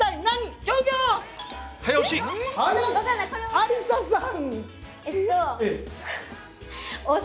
ありささん！